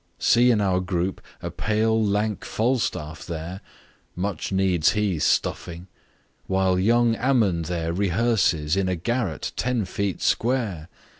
See in our group, a pale, lank Falstaff stare! Much needs he stuffing: while young Ammon there Rehearses in a garret ten feet square!